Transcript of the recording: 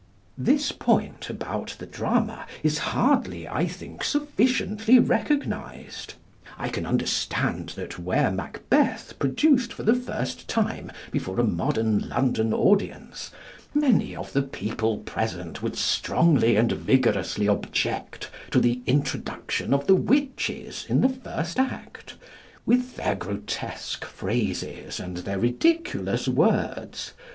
This point about the drama is hardly, I think, sufficiently recognised. I can quite understand that were 'Macbeth' produced for the first time before a modern London audience, many of the people present would strongly and vigorously object to the introduction of the witches in the first act, with their grotesque phrases and their ridiculous words.